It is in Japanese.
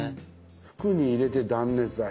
「服に入れて断熱材」